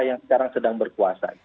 yang sekarang sedang berkuasa